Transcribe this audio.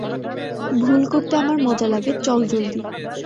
ভুল করতে আমার মজা লাগে চল জলদি!